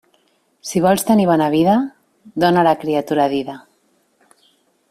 Si vols tenir bona vida, dóna la criatura a dida.